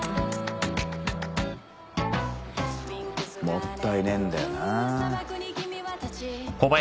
もったいねえんだよなぁ。